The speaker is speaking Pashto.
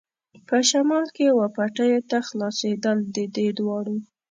په شمال کې وه پټیو ته خلاصېدل، د دې دواړو.